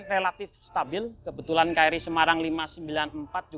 bertanian dalam diri itu